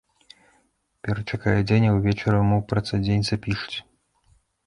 Перачакае дзень, а ўвечары яму працадзень запішуць.